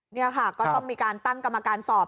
นี่ค่ะก็ต้องมีการตั้งกรรมการสอบ